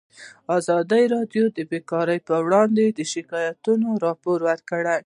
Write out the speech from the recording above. ازادي راډیو د بیکاري اړوند شکایتونه راپور کړي.